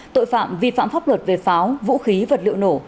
tội phạm vi phạm pháp luật về pháo vũ khí vật liệu nổ